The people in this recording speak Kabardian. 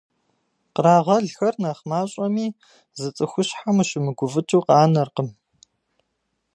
Кърагъэлхэр нэхъ мащӀэми, зы цӀыхущхьэм ущымыгуфӀыкӀыу къанэркъым.